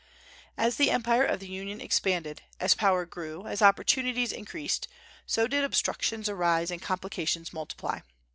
As the empire of the Union expanded, as power grew, as opportunities increased, so did obstructions arise and complications multiply.